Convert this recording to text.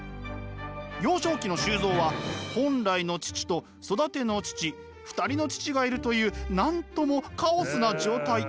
幼少期の周造は本来の父と育ての父２人の父がいるというなんともカオスな状態。